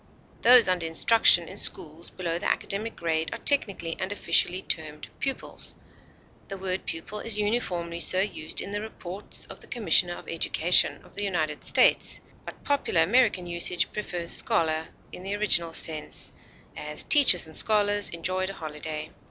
Those under instruction in schools below the academic grade are technically and officially termed pupils. The word pupil is uniformly so used in the Reports of the Commissioner of Education of the United States, but popular American usage prefers scholar in the original sense; as, teachers and scholars enjoyed a holiday.